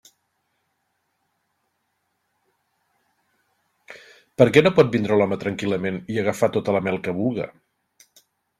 Per què no pot vindre l'home tranquil·lament i agafar tota la mel que vulga?